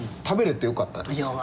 食べれてよかったです。